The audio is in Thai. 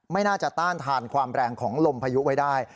ไม่น่าจะต้านทานความแรงของลมพายุไว้ได้